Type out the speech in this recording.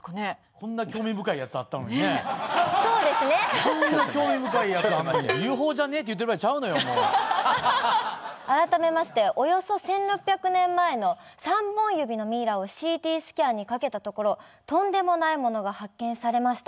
こんな興味深いやつあるのに「ＵＦＯじゃね？」って言ってる場合ちゃうのよもう改めましておよそ１６００年前の３本指のミイラをＣＴスキャンにかけたところとんでもない物が発見されました